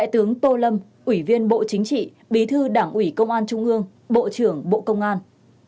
tướng tô lâm ủy viên bộ chính trị bí thư đảng ủy công an trung ương bộ trưởng bộ công an